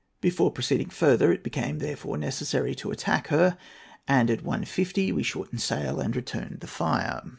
Before proceeding further, it became therefore necessary to attack her, and at 1.50 we shortened sail and returned the fire.